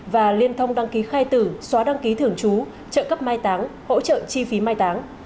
và liên thông đăng ký khai tử xóa đăng ký thưởng chú trợ cấp mai táng hỗ trợ chi phí mai táng